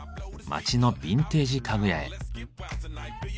街のビンテージ家具屋へ。